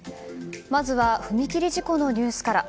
まずは踏切事故のニュースから。